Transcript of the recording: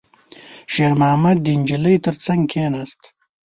شېرمحمد د نجلۍ تر څنګ کېناست.